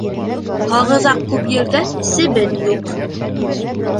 Һағыҙаҡ күп ерҙә себен юҡ.